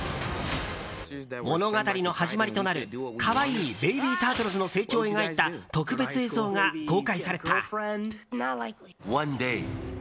物語の始まりとなる可愛いベイビータートルズの成長を描いた特別映像が公開された。